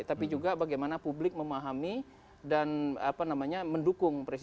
tapi juga bagaimana publik memahami dan mendukung presiden